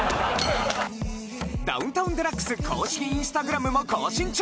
『ダウンタウンＤＸ』公式インスタグラムも更新中！